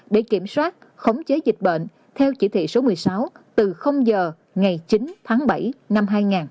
để kiểm soát khống chế dịch bệnh theo chỉ thị số một mươi sáu từ giờ ngày chín tháng bảy năm hai nghìn hai mươi